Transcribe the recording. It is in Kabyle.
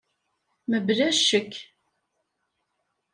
Mebla ccek!